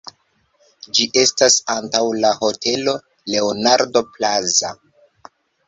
Ĝi estas antaŭ la Hotelo Leonardo Plaza.